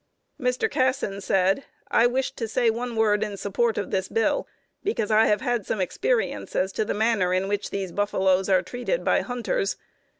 Mr. Kasson said: "I wish to say one word in support of this bill, because I have had some experience as to the manner in which these buffaloes are treated by hunters.